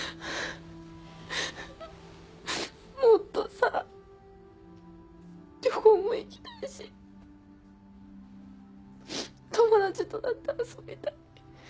もっとさ旅行も行きたいし友達とだって遊びたい。